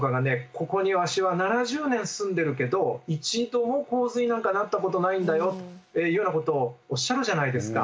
「ここにわしは７０年住んでるけど一度も洪水なんかなったことないんだよ」っていうようなことをおっしゃるじゃないですか。